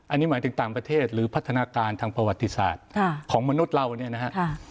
อันนี้หมายถึงต่างประเทศหรือพัฒนาการทางประวัติศาสตร์ของมนุษย์เราเนี่ยนะฮะ